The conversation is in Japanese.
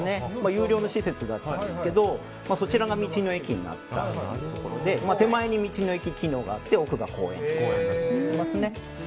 有料の施設だったんですけどそちらが道の駅になって手前に道の駅機能があって奥が公園になっていますね。